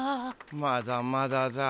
まだまだだ。